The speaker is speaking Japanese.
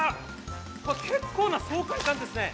結構な爽快感ですね。